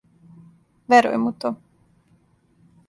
Верујем у то.